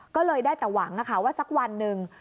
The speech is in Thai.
ก็เลยได้แต่หวังว่าสักวันหนึ่ง